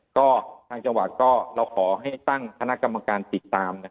ก็ทางจังหวัดก็เราขอให้ตั้งคณะกรรมการติดตาม